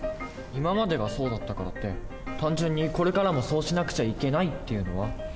今までがそうだったからって単純にこれからもそうしなくちゃいけないっていうのは。